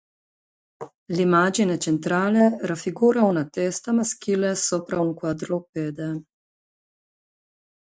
L'immagine centrale raffigura una testa maschile sopra un quadrupede.